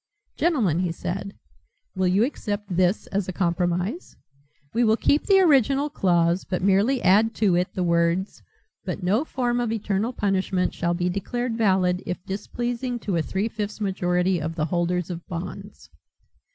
"Gentlemen," he said, "will you accept this as a compromise? We will keep the original clause but merely add to it the words, 'but no form of eternal punishment shall be declared valid if displeasing to a three fifths majority of the holders of bonds.'"